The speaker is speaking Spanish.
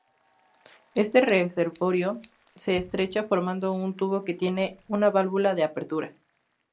Este reservorio se estrecha formando un tubo que tiene una válvula de apertura.